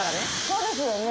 そうですよね？